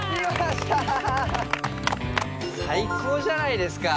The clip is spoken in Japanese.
最高じゃないですか！